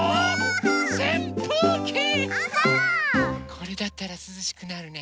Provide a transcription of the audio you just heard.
これだったらすずしくなるね。